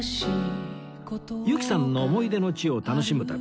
由紀さんの思い出の地を楽しむ旅